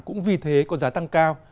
cũng vì thế có giá tăng cao